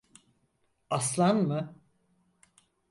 Aslan mı?